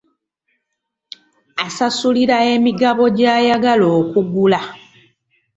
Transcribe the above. Asasulira emigabo gy'ayagala okugula.